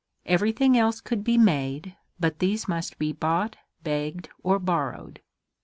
Everything else could be made, but these must be bought, begged or borrowed.